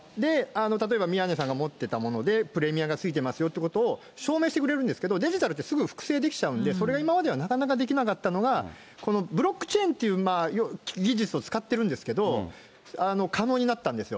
例えば、宮根さんが持っていたものでプレミアがついてますよということを証明してくれるんですけど、デジタルってすぐ複製できちゃうんで、それが今まではなかなかできなかったのが、このブロックチェーンという技術を使っているんですけれども、可能になったんですよ。